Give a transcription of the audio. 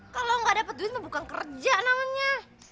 kalo gak dapet duit bukan kerja namanya